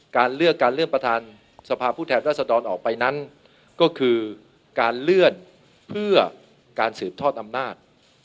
การเลือกการเลื่อนประธานสภาพผู้แทนรัศดรออกไปนั้นก็คือการเลื่อนเพื่อการสืบทอดอำนาจ